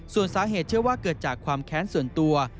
ส่วนสาเหตุเชื่อว่าเกิดจากความแค้นส่วนตัว